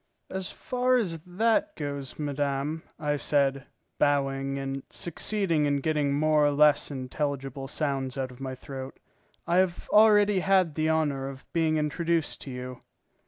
"As far as that goes, madame," I said, bowing, and succeeding in getting more or less intelligible sounds out of my throat, "I have already had the honour of being introduced to you."